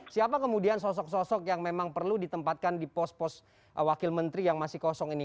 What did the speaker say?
siapa kemudian sosok sosok yang memang perlu ditempatkan di pos pos wakil menteri yang masih kosong ini